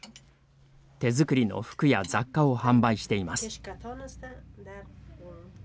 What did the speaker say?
手作りの服や雑貨を販売しています。